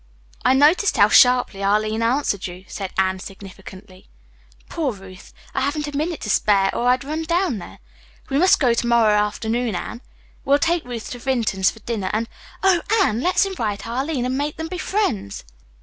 "I noticed how sharply Arline answered you," said Anne significantly. "Poor Ruth, I haven't a minute to spare or I'd run down there. We must go to morrow afternoon, Anne. We'll take Ruth to Vinton's for dinner and, oh, Anne! let's invite Arline and make them be friends!"